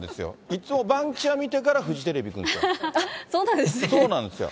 いつもバンキシャ見てからフジテレビ行くんですよ。